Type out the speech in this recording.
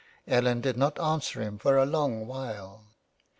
Ellen did not answer him for a long while.